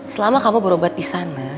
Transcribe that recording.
selama kamu berobat di sana